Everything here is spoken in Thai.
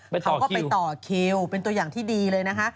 เขาก็ไปต่อคิวเป็นตัวอย่างที่ดีเลยนะคะ